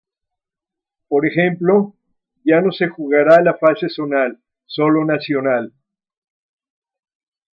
Por ejemplo, ya no se jugará la fase zonal, solo nacional.